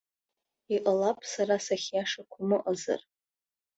Иҟалап сара сахьиашақәам ыҟазар.